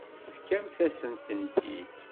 Tefkam-asent-tent-id.